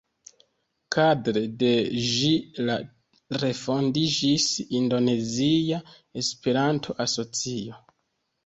Kadre de ĝi la refondiĝis Indonezia Esperanto-Asocio.